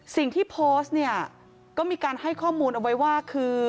สิ่งที่โพสต์เนี่ยก็มีการให้ข้อมูลเอาไว้ว่าคือ